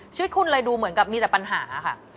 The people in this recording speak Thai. ชีวิตคุณเลยดูเหมือนกับมีแต่ปัญหาค่ะ